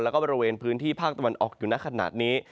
แล้วก็บริเวณพื้นที่ภาคตะวันออกอยู่ในขณะนี้